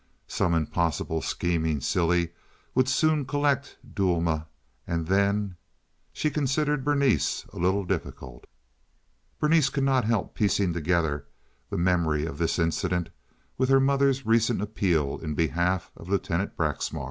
Some impossible scheming silly would soon collect Duelma, and then— She considered Berenice a little difficult. Berenice could not help piecing together the memory of this incident with her mother's recent appeal in behalf of Lieutenant Braxmar.